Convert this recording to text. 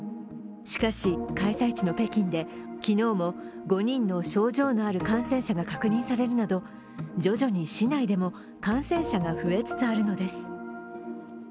しかし、開催地の北京で昨日も５人の症状のある感染者が確認されるなど徐々に市内でも感染者が増えつつあるのです。